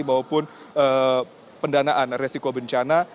maupun pendanaan resiko bencana